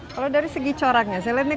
kalau dari segi coraknya